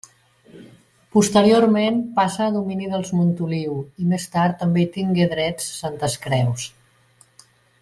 Posteriorment, passa a domini dels Montoliu, i més tard també hi tingué drets Santes Creus.